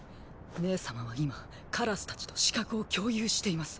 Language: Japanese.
姉様は今カラスたちと視覚を共有しています。